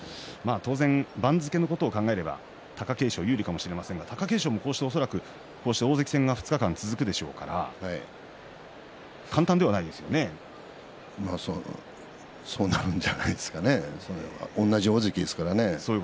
当然番付のことを考えれば貴景勝有利かもしれませんが貴景勝も大関戦の２日間続くでしょうからそうなるんじゃないですかね同じ大関ですからね。